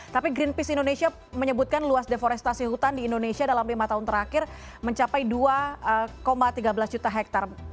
tapi greenpeace indonesia menyebutkan luas deforestasi hutan di indonesia dalam lima tahun terakhir mencapai dua tiga belas juta hektare